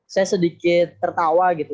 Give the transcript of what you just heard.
saya sedikit tertawa gitu